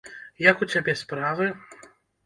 Як у цябе справы?